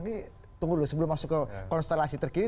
ini tunggu dulu sebelum masuk ke konstelasi terkini